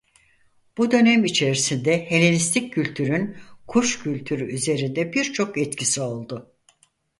Bu dönem içerisinde Helenistik kültürün Kuş kültürü üzerinde birçok etkisi oldu.